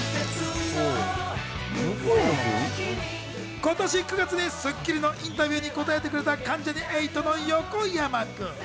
今年９月に『スッキリ』のインタビューに答えてくれた関ジャニ∞の横山君。